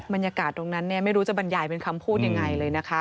บรรยากาศตรงนั้นไม่รู้จะบรรยายเป็นคำพูดยังไงเลยนะคะ